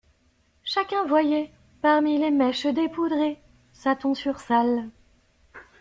Chacun voyait, parmi les mèches dépoudrées, sa tonsure sale.